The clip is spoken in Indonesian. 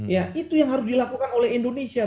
ya itu yang harus dilakukan oleh indonesia